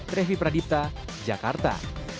trevi pradipta jakarta